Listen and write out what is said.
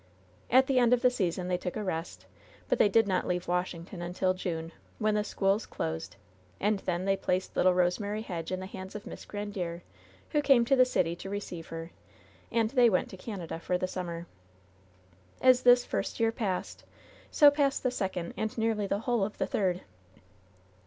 At the end of the season they took a rest; but they did not leave Washington until June, when the schools closed, and then they placed little Rosemary Hedge in the hands of Miss Grandiere, who came to the city to receive her, and they went to Canada for the summer. As this first year passed, so passed the second and nearly the whole of the third.